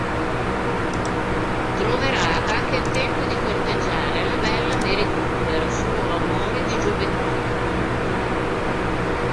Troverà anche il tempo di corteggiare la bella Mary Cooper, suo amore di gioventù.